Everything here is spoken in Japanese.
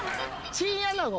チンアナゴ。